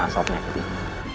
asal penyakit ini